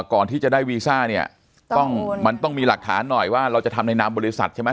ก่อนที่จะได้วีซ่าเนี่ยต้องมันต้องมีหลักฐานหน่อยว่าเราจะทำในนามบริษัทใช่ไหม